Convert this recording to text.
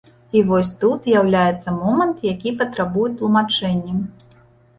І вось тут з'яўляецца момант, які патрабуе тлумачэння.